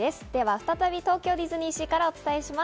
再び東京ディズニーシーからお伝えします。